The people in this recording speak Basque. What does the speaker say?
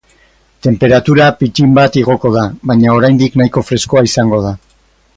Tenperatura pittin bat igoko da, baina oraindik nahiko freskoa izango da.